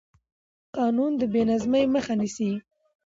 قانون د بې نظمۍ مخه نیسي